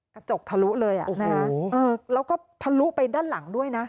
กระจกทะลุเลยนะครับแล้วก็ทะลุไปด้านหลังด้วยนะ